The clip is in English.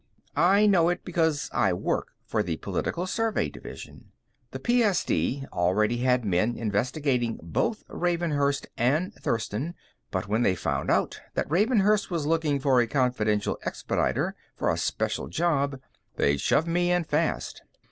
I know it because I work for the Political Survey Division. The PSD already had men investigating both Ravenhurst and Thurston, but when they found out that Ravenhurst was looking for a confidential expediter, for a special job, they'd shoved me in fast.